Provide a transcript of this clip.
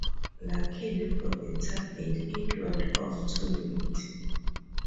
Luckily for the target, it went off too late.